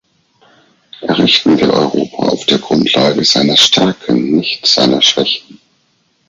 Errichten wir Europa auf der Grundlage seiner Stärken, nicht seiner Schwächen.